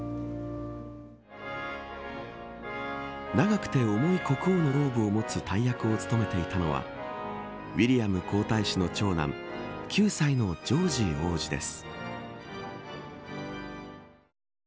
長くて重い国王のローブを持つ大役を務めていたのはウィリアム皇太子の長男９歳のジョージ王子です。